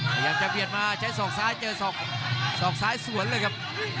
พยายามจะเบียดมาใช้ศอกซ้ายเจอศอกสอกซ้ายสวนเลยครับ